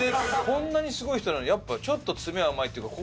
こんなにすごい人なのにやっぱちょっと詰め甘いっていうか